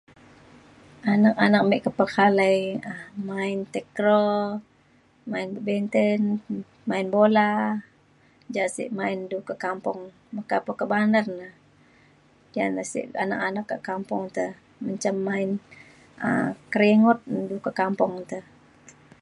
Anak anak me ke pekalai um main takraw badminton main bola ja sek main du kak kampung meka pe kak bandar na ja na sek anak anak kak kampung te menjam main um keringut du kak kampung te